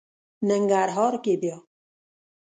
ننګرهار کې بیا...